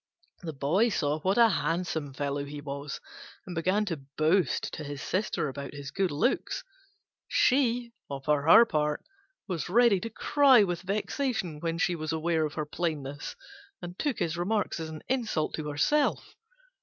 The boy saw what a handsome fellow he was, and began to boast to his Sister about his good looks: she, on her part, was ready to cry with vexation when she was aware of her plainness, and took his remarks as an insult to herself.